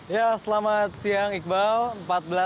ya selamat siang iqbal